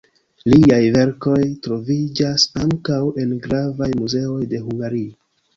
Liaj verkoj troviĝas ankaŭ en gravaj muzeoj de Hungario.